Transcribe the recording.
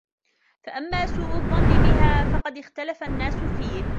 فَأَمَّا سُوءُ الظَّنِّ بِهَا فَقَدْ اخْتَلَفَ النَّاسُ فِيهِ